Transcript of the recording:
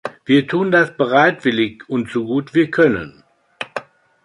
Wir tun das bereitwillig und so gut wir können.